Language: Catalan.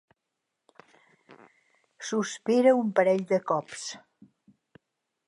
Sospira un parell de cops.